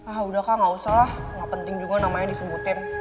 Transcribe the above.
ah udah kak gak usah lah gak penting juga namanya disebutin